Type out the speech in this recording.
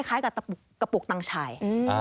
คล้ายกับกระปุกตังชัย